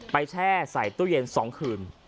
ไปแช่ใส่ตู้เย็นสองคืน